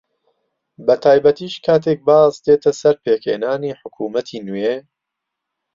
بەتایبەتیش کاتێک باس دێتە سەر پێکهێنانی حکوومەتی نوێ